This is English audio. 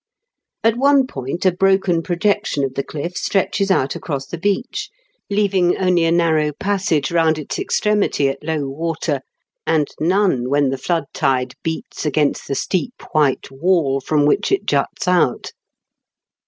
At one point a broken projection of the cliff stretches out across the beach, leaving only a narrow passage round its extremity at low water, and none when the flood tide beats against the steep white wall from which it juts out.